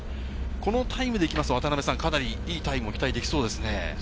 このタイムでいきますと、かなりいいタイムも期待できそうですね。